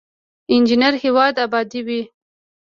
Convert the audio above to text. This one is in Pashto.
انجینر هیواد ابادوي